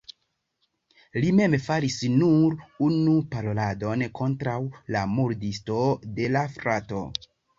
Li mem faris nur unu paroladon kontraŭ la murdisto de la frato.